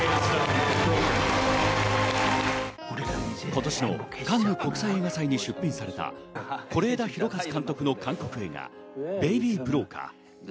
今年のカンヌ国際映画祭に出品された、是枝裕和監督の韓国映画『ベイビー・ブローカー』。